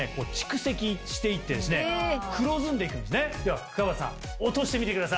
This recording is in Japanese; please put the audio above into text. ではくわばたさん落としてみてください。